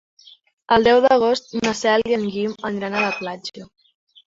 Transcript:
El deu d'agost na Cel i en Guim aniran a la platja.